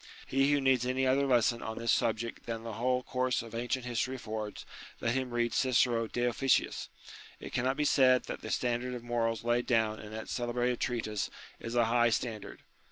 He who needs any other lesson on this subject than the whole course of ancient history affords, let him read Cicero de Officiis. It cannot be said that the standard of morals laid down in that celebrated treatise is a high standard.